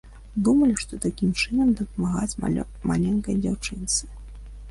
Думалі, што такім чынам дапамагаюць маленькай дзяўчынцы.